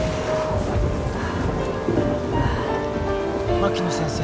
槙野先生。